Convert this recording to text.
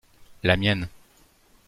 La mienne.